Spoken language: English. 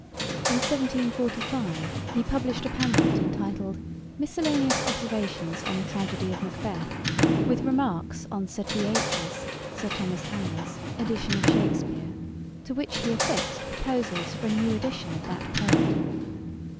In 1745 he published a pamphlet entitled _Miscellaneous Observations on the Tragedy of Macbeth, with remarks on Sir T.H.'s (Sir Thomas Hammer's) Edition of Shakspeare_.[*] To which he affixed, proposals for a new edition of that poet.